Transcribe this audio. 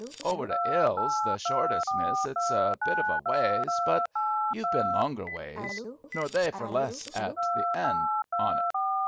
"Over the 'ill's the shortest, miss. It's a bit of a ways, but you've been longer ways nor they for less at th' end on't."